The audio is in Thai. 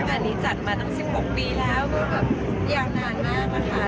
งานนี้จัดมาตั้ง๑๖ปีแล้วก็แบบยาวนานมากอะค่ะ